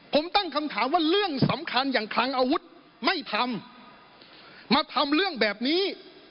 ผมตั้งคำถามว่าเรื่องสำคัญอย่างคลังอาวุธไม่ทำมาทำเรื่องแบบนี้